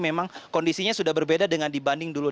memang kondisinya sudah berbeda dengan dibanding dulu